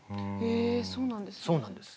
えそうなんですか。